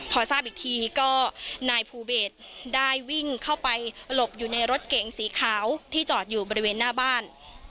พอทราบอีกทีก็นายภูเบสได้วิ่งเข้าไปหลบอยู่ในรถเก๋งสีขาวที่จอดอยู่บริเวณหน้าบ้าน